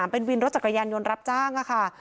เป็นวินรถจักรยานยนต์รับจ้างค่ะ